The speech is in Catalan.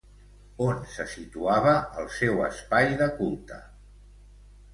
On se situava el seu espai de culte?